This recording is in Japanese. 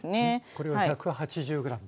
これは１８０ｇです。